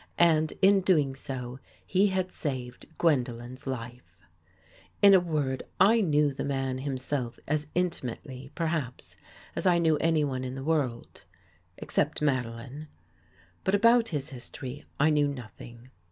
And, in doing so, he had saved Gwen dolen's life. In a word, I knew the man himself as intimately, perhaps, as I knew anyone in the world, except Madeline. But, about his history, I knew nothing.